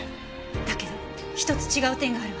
だけどひとつ違う点があるわ。